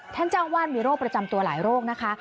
ท่านเจ้าวาดมีโรคประจำตัวหลายโรคนะคะ